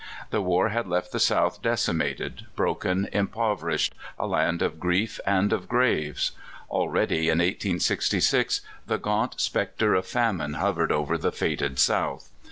The war had left the South decimated, broken, impoverished — a land of grief and of graves. Already in 1866 the gaunt specter of Famine hov ered over the fated South.